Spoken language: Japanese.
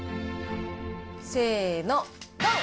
せのドン！